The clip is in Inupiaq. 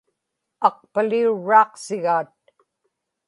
aqpaliurraaqsigaat